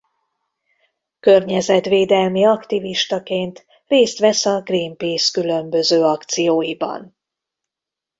Környezetvédelmi aktivistaként részt vesz a Greenpeace különböző akcióiban.